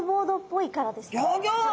ギョギョッ！